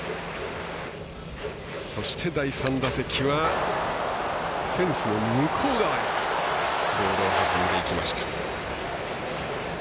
そして、第３打席はフェンスの向こう側へボールを運んでいきました。